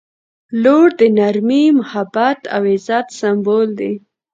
• لور د نرمۍ، محبت او عزت سمبول دی.